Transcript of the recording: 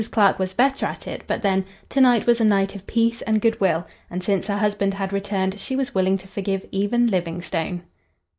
Clark was better at it; but then, to night was a night of peace and good will, and since her husband had returned she was willing to forgive even Livingstone.